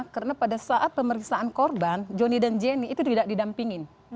karena pada saat pemeriksaan korban jonny dan jenny itu tidak didampingin